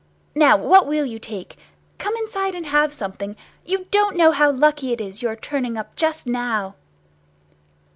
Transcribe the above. Now what will you take? Come inside and have something! You don't know how lucky it is, your turning up just now!"